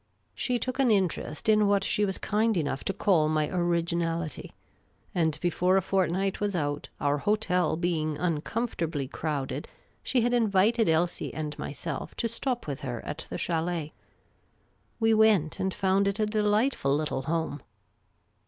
She took an interest in what she was kind enough to call my original ity ; and before a fortnight was out, our hotel being uncom fortably crowded, she had invited Elsie and myself to stop with her at the c/iAlct. We went and found it a delightful little home.